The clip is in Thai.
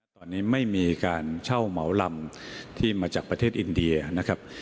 ตอนนี้ไม่มีการเช่าเหมาลำที่มาจากประเทศอินเดียนะครับ